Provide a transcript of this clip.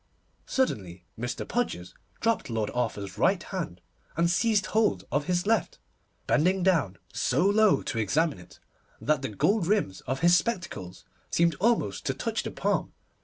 Suddenly Mr. Podgers dropped Lord Arthur's right hand, and seized hold of his left, bending down so low to examine it that the gold rims of his spectacles seemed almost to touch the palm.